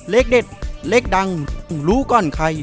เลขเด็ดเลขดังรู้ก่อนใคร